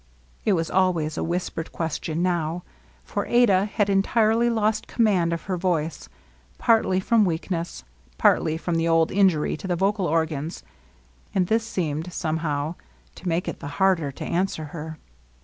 " It was always a whispered question now ; for Adah had entirely lost command of her voice, partly from weakness, partly from the old injury to the vocal organs ; and this seemed, somehow, to make it the harder to answer her.